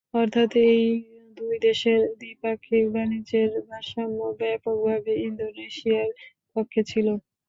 অর্থাৎ এই দুই দেশের দ্বিপাক্ষিক বাণিজ্যের ভারসাম্য ব্যাপকভাবে ইন্দোনেশিয়ার পক্ষে ছিল।